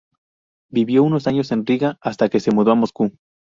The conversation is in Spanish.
Vivió unos años en Riga, hasta que se mudó a Moscú.